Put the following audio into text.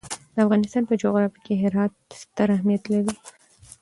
د افغانستان په جغرافیه کې هرات ستر اهمیت لري.